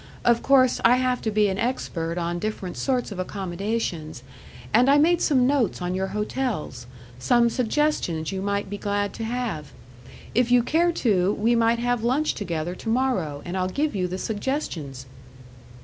Of course I have to be an expert on different sorts of accommodations, and I made some notes on your hotels some suggestions you might be glad to have. If you care to, we might have lunch together to morrow, and I'll give you the suggestions."